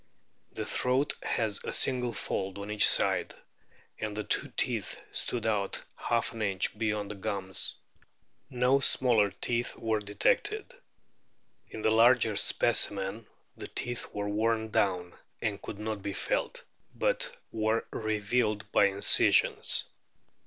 The throat has a single fold on each side, and the two teeth stood out half an inch beyond the gums. No smaller teeth were detected. In the larger specimen the teeth were worn down, and could not be felt, but were revealed by incisions.